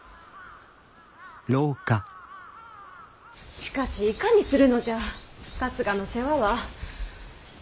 しかしいかにするのじゃ春日の世話は。